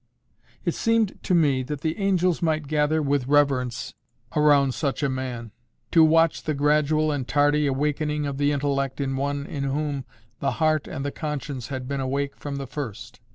It seemed to me that the angels might gather with reverence around such a man, to watch the gradual and tardy awakening of the intellect in one in whom the heart and the conscience had been awake from the first.